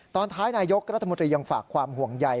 ตอนท้ายนายกรัฐมนตรียังฝากความห่วงใย